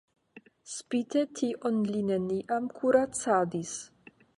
Spite tion li neniam kuracadis.